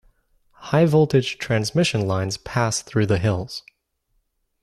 High-voltage transmission lines pass through the hills.